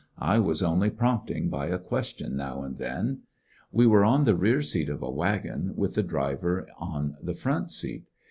I was only prompting by a question now and then. We were on the rear seat of a wagon, with the driver on the front seat.